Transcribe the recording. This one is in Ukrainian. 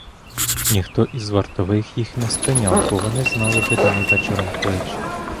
Ніхто із вартових їх не спиняв, бо вони знали виданий вечором клич.